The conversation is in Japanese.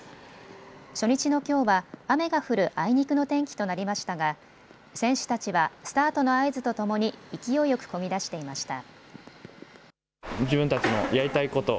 初日のきょうは雨が降るあいにくの天気となりましたが選手たちはスタートの合図とともに勢いよくこぎ出していました。